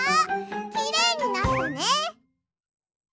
きれいになったね！